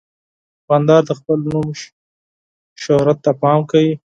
دوکاندار د خپل نوم شهرت ته پام کوي.